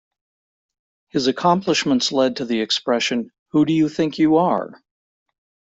His accomplishments led to the expression Who do you think you are?